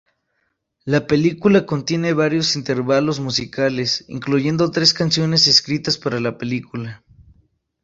La película contiene varios intervalos musicales, incluyendo tres canciones escritas para la película.